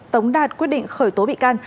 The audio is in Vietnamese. tổng đạt quyết định khởi tố bị can